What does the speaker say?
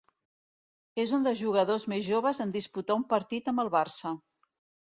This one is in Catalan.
És un dels jugadors més joves en disputar un partit amb el Barça.